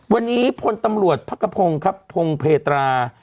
วันนี้คนตำรวจพกพงศ์ครับพงศ์เพตรา